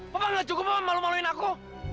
papa gak cukup mau malu maluin aku